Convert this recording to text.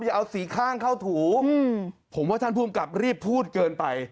อย่าเอาสีข้างเข้าถูผมว่าท่านภูมิกับรีบพูดเกินไป